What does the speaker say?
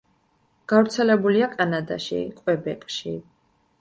გავრცელებულია კანადაში, კვებეკში.